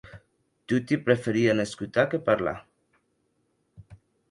Toti preferien escotar que parlar.